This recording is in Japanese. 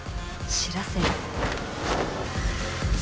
知らせる。